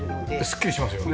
すっきりしますよね。